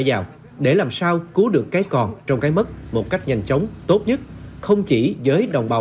rào để làm sao cứu được cái còn trong cái mất một cách nhanh chóng tốt nhất không chỉ với đồng bào